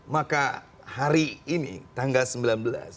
maka hari ini tanggal sembilan belas